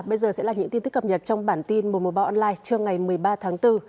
bây giờ sẽ là những tin tức cập nhật trong bản tin một trăm một mươi ba online trưa ngày một mươi ba tháng bốn